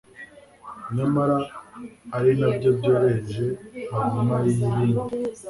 nyamara ari nabyo byoroheje hanyuma y'ibindi.